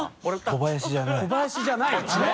小林じゃない。